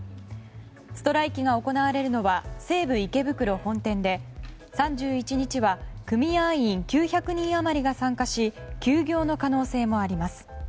ストライキが行われるのは西武池袋本店で３１日は組合員９００人余りが参加し休業の可能性もあります。